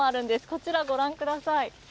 こちら、ご覧ください。